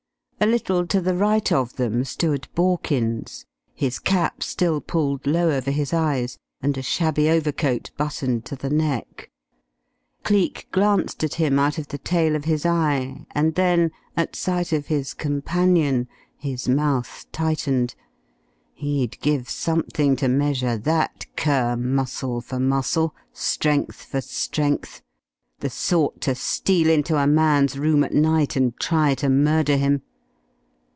A little to the right of them stood Borkins, his cap still pulled low over his eyes, and a shabby overcoat buttoned to the neck. Cleek glanced at him out of the tail of his eye, and then, at sight of his companion, his mouth tightened. He'd give something to measure that cur muscle for muscle, strength for strength! The sort to steal into a man's room at night and try to murder him!